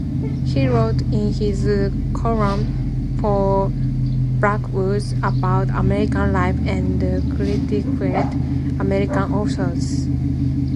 He wrote in his column for "Blackwood's" about American life and critiqued American authors.